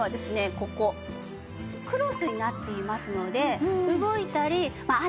ここクロスになっていますので動いたりまあ